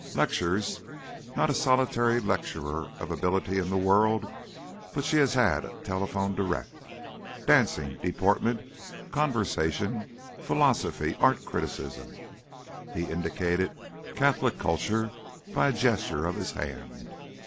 Lectures not a solitary lecturer of ability in the world but she has had a telephone direct, dancing, deportment, conversation, philosophy, art criticism ..." He indicated catholic culture by a gesture of his hand.